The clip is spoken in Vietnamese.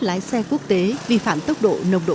lái xe quốc tế vi phạm tốc độ nồng độ